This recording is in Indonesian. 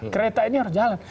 kereta ini harus jalan